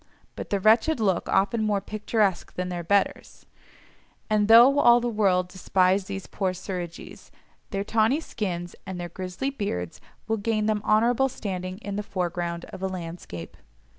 But the wretched look often more picturesque than their betters; and though all the world despise these poor Suridgees, their tawny skins and their grisly beards will gain them honourable standing in the foreground of a landscape.